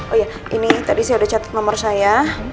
oh iya ini tadi saya sudah catat nomor saya